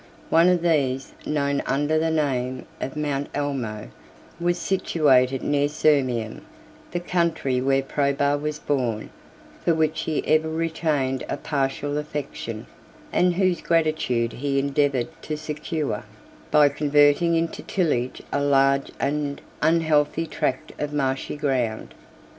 59 One of these, known under the name of Mount Almo, was situated near Sirmium, the country where Probus was born, for which he ever retained a partial affection, and whose gratitude he endeavored to secure, by converting into tillage a large and unhealthy tract of marshy ground.